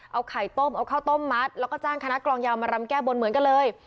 เอาไข่ต้มเอาข้าวต้มมัดแล้วก็จ้างคณะกลองยาวมารำแก้บนเหมือนกันเลย